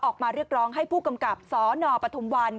ออกมาเรียกร้องให้ผู้กำกับสนปฐุมวัน